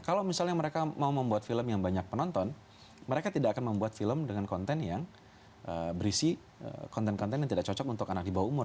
kalau misalnya mereka mau membuat film yang banyak penonton mereka tidak akan membuat film dengan konten yang berisi konten konten yang tidak cocok untuk anak di bawah umur